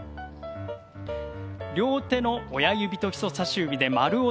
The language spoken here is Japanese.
両手の親指と人さし指で丸を作り